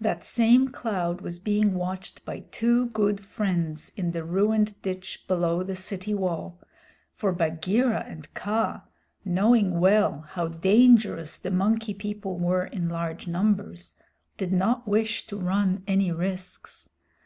That same cloud was being watched by two good friends in the ruined ditch below the city wall, for Bagheera and Kaa, knowing well how dangerous the Monkey People were in large numbers, did not wish to run any risks.